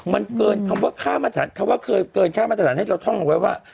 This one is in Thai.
มันเคยเคยเคยข้ามตัดอะไรกทำไว้ว่า